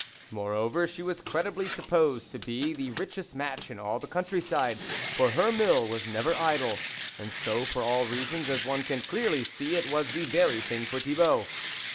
Moreover, she was credibly supposed to be the richest match in all the country side, for her mill was never idle, and so, for all reasons, as one can clearly see, it was the very thing for Thibault.